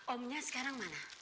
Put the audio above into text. omnya sekarang mana